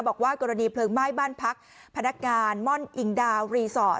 บอกว่ากรณีเพลิงไหม้บ้านพักพนักงานม่อนอิงดาวรีสอร์ท